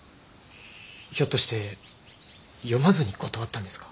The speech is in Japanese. ひょっとして読まずに断ったんですか？